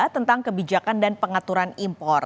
tentang kebijakan dan pengaturan impor